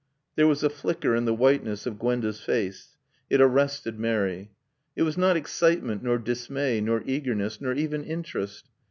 There was a flicker in the whiteness of Gwenda's face. It arrested Mary. It was not excitement nor dismay nor eagerness, nor even interest.